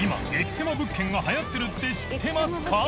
セマ物件がはやってるって知ってますか？